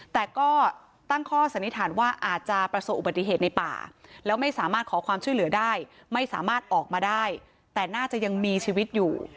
แต่ก็ตั้งข้อสันนิษฐานว่าอาจจะประสบอุบัติเหตุในป่าแล้วไม่สามารถขอความช่วยเหลือได้ไม่สามารถออกมาได้แต่น่าจะยังมีชีวิตอยู่